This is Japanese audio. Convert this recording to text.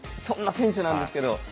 そんな選手なんですけど。